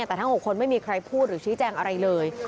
แต่ทั้ง๖คนไม่มีใครพูดหรือชี้แจงอะไรเลย